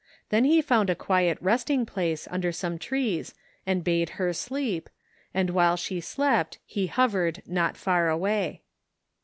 Then he found a quiet resting place under some trees and bade her sleq), and while she slept he hovered not far away.